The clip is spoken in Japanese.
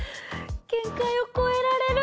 限界をこえられる！